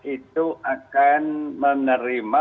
itu akan menerima